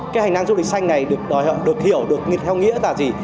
cái hành năng du lịch xanh này được hiểu được theo nghĩa là gì